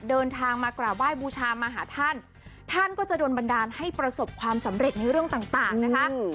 เดินทางมากราบไหว้บูชามาหาท่านท่านก็จะโดนบันดาลให้ประสบความสำเร็จในเรื่องต่างนะคะ